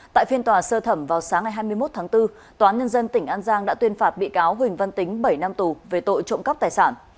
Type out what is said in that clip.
tại phiên tòa sơ thẩm vào sáng ngày hai mươi một tháng bốn tòa án nhân dân tỉnh an giang đã tuyên phạt bị cáo huỳnh văn tính bảy năm tù về tội trộm cắp tài sản